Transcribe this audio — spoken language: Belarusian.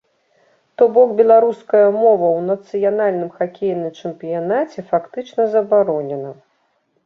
То бок беларуская мова ў нацыянальным хакейным чэмпіянаце фактычна забаронена.